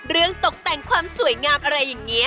เรื่องตกแต่งความสวยงามอะไรอย่างเงี้ย